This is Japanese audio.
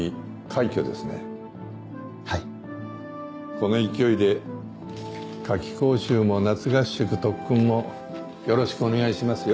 この勢いで夏期講習も夏合宿特訓もよろしくお願いしますよ。